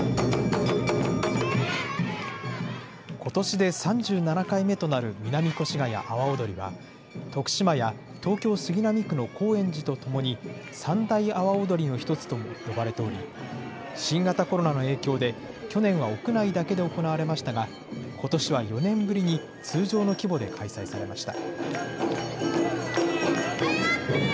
ことしで３７回目となる南越谷阿波踊りは、徳島や東京・杉並区の高円寺とともに、三大阿波踊りの１つと呼ばれており、新型コロナの影響で去年は屋内だけで行われましたが、ことしは４年ぶりに通常の規模で開催されました。